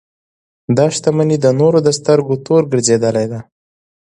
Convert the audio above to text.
دا شتمنۍ د نورو د سترګو تور ګرځېدلې ده.